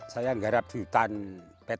saya garap di hutan peta tujuh